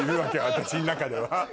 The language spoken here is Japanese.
私の中では。